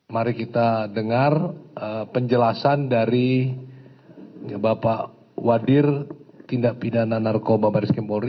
mari kita dengar penjelasan dari bapak wadir tindak pidana narkoba baris kempori